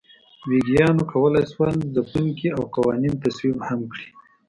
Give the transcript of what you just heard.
ویګیانو کولای شول ځپونکي او قوانین تصویب هم کړي.